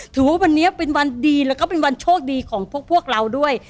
ถือว่าวันนี้เป็นวันดีแล้วก็เป็นวันโชคดีของพวกเราด้วย